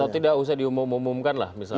atau tidak usah diumum umumkan lah misalnya